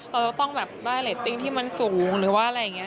เราจะต้องแบบได้เรตติ้งที่มันสูงหรือว่าอะไรอย่างนี้